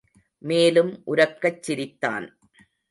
மேலும் உரக்கச் சிரித்தான்.